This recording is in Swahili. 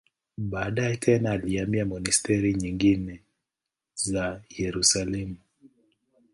Baadaye tena alihamia monasteri nyingine za Yerusalemu.